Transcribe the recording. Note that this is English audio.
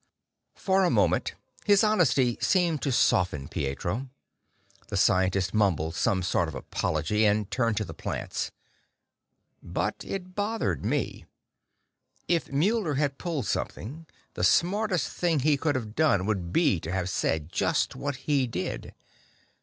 For a moment, his honesty seemed to soften Pietro. The scientist mumbled some sort of apology, and turned to the plants. But it bothered me; if Muller had pulled something, the smartest thing he could have done would be to have said just what he did.